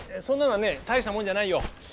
そんなのはね大したもんじゃないよ。